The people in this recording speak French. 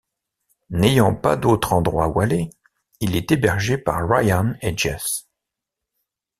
N'ayant pas d'autre endroit où aller, il est hébergé par Ryan et Jess.